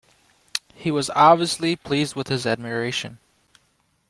He was obviously pleased with his admiration.